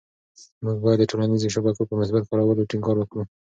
موږ باید د ټولنيزو شبکو په مثبت کارولو ټینګار وکړو.